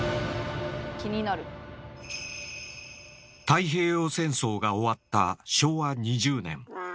太平洋戦争が終わった昭和２０年。